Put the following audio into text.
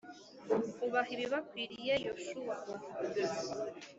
ubaha ibibakwiriye yoshuwa